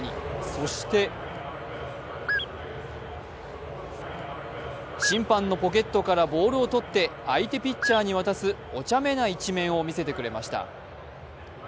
そして審判のポケットからボールをとって相手ピッチャーに渡すおちゃめな一面を見せてくれました。